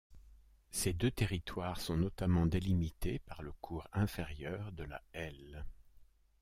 Ces deux territoires sont notamment délimités par le cours inférieur de la Helle.